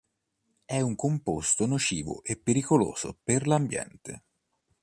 È un composto nocivo e pericoloso per l'ambiente.